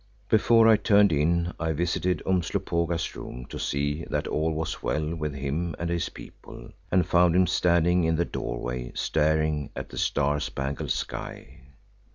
Before I turned in I visited Umslopogaas's room to see that all was well with him and his people, and found him standing in the doorway staring at the star spangled sky.